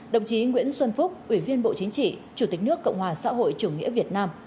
đồng chí nguyễn xuân phúc ủy viên bộ chính trị chủ tịch nước cộng hòa xã hội chủ nghĩa việt nam